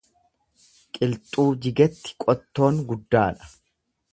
Qilxuu jigetti qottoon guddaadha.